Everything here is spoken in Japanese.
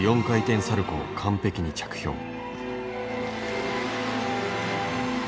４回転サルコーを完璧に着氷。